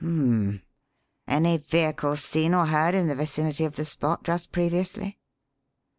Hum m! Any vehicle seen or heard in the vicinity of the spot just previously?"